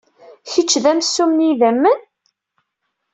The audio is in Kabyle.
Kečč d amsumm n yidammen?